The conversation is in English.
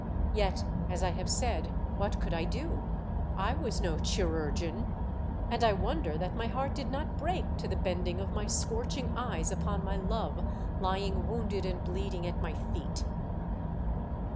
Yet, as I have said, what could I do ? I was no chirurgeon; and I wonder that my heart did not break to the bending of my scorching eyes upon my love lying wounded and bleeding at my feet.